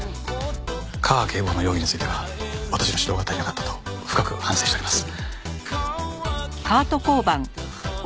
架川警部補の容疑については私の指導が足りなかったと深く反省しております。